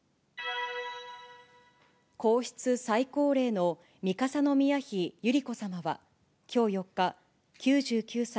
皇室最高齢の三笠宮妃百合子さまは、きょう４日、９９歳